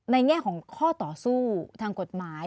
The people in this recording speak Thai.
แง่ของข้อต่อสู้ทางกฎหมาย